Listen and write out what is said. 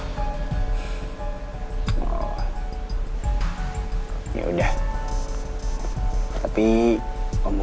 kamu uno brooklyndependania masalah tuhan pnghokangnya